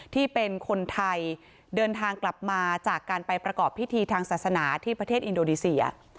ที่เป็นคนไทยเดินทางกลับมาจากการไปประกอบพิธีทางศาสนาที่ประเทศอินโดนีเซีย